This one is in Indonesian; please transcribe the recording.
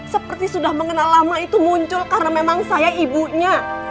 seperti sudah mengenal lama itu muncul karena memang saya ibunya